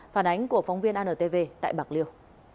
phản ánh của phóng viên antv tại bạc liêu